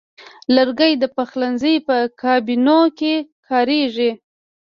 لرګی د پخلنځي په کابینو کې کاریږي.